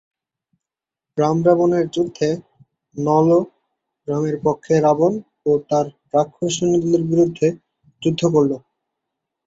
রাম-রাবণের যুদ্ধে নল রামের পক্ষে রাবণ ও তার রাক্ষস সৈন্যদলের বিরুদ্ধে যুদ্ধ করেন।